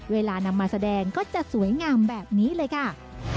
เวลานำมาแสดงก็จะสวยงามแบบนี้เลยค่ะ